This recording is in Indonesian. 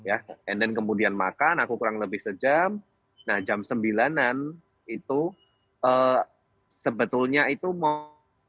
ya and then kemudian makan aku kurang lebih sejam nah jam sembilan an itu sebetulnya itu mau